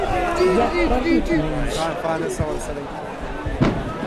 Як пражыць на іх?